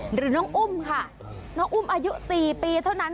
หรือน้องอุ้มค่ะน้องอุ้มอายุ๔ปีเท่านั้น